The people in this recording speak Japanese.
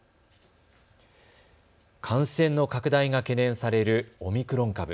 感染の拡大が懸念されるオミクロン株。